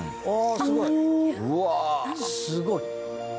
すごい！